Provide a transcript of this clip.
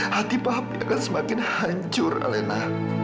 hati papi akan semakin hancur alena